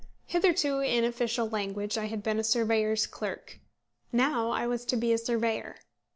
Hitherto in official language I had been a surveyor's clerk, now I was to be a surveyor.